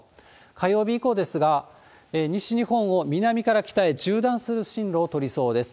火曜日以降ですが、西日本を南から北へ縦断する進路を取りそうです。